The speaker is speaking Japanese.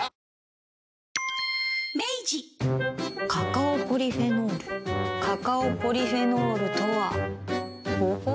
カカオポリフェノールカカオポリフェノールとはほほう。